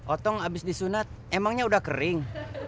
otong abis disunat emangnya udah kering